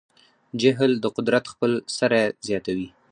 جهل د قدرت خپل سری زیاتوي.